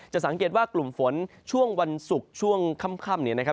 สังเกตว่ากลุ่มฝนช่วงวันศุกร์ช่วงค่ำเนี่ยนะครับ